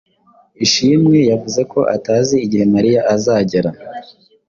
Ishimwe yavuze ko atazi igihe Mariya azagera.